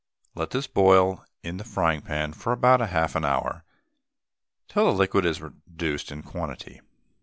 Let this boil in the frying pan for about half an hour, till the liquid is reduced in quantity.